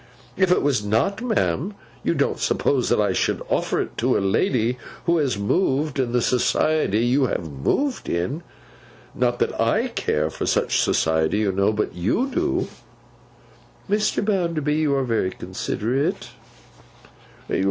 'If it was not, ma'am, you don't suppose that I should offer it to a lady who has moved in the society you have moved in. Not that I care for such society, you know! But you do.' 'Mr. Bounderby, you are very considerate.